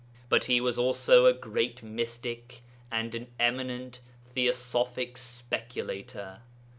But he was also a great mystic and an eminent theosophic speculator.